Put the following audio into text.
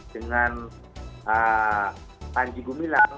dengan panji gumilang